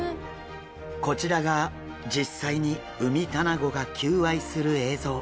こちらが実際にウミタナゴが求愛する映像。